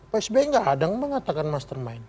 pak sb nggak kadang mengatakan mastermind